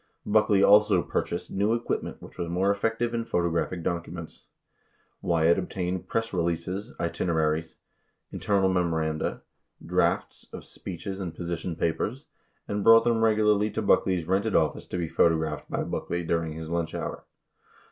Buck ley also purchased new equipment which was more effective in photo graphing documents. 18 Wyatt obtained press releases, itineraries, inter nal memoranda, drafts of speeches and position papers, and brought them regularly to Buckley's rented office to be photographed by Buck ley during his lunch hour.